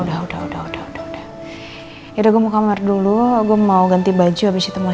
udah udah udah udah udah udah udah gue mau kamar dulu gue mau ganti baju habis itu mau